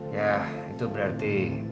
ya itu berarti